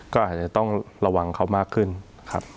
ก็อาจจะต้องระวังเขามากขึ้นครับ